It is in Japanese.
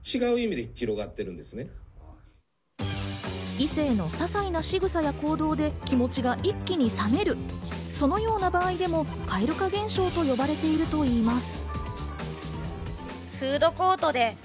異性のささいな仕草や行動で気持ちが一気に冷める、そのような場合でも蛙化現象と呼ばれているといいます。